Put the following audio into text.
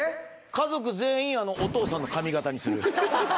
家族全員、お父さんの髪形にする。